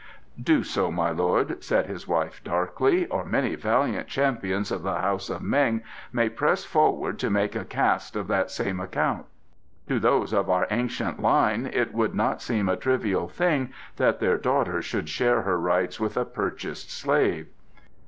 "Do so, my lord," said his wife darkly, "or many valiant champions of the House of Meng may press forward to make a cast of that same account. To those of our ancient line it would not seem a trivial thing that their daughter should share her rights with a purchased slave."